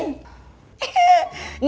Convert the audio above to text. emosi ya nih sekeluarga